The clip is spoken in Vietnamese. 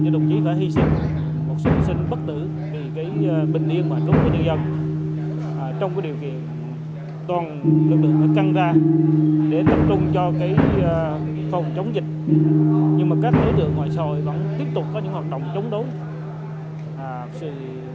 đồng chí tuấn đã hiển thị đồng đội thân yêu gia đình mất đi những người con hiếu thảo người cha yêu quý